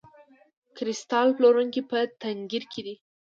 کریستال پلورونکی په تنګیر کې دی.